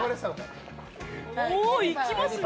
おいきますね。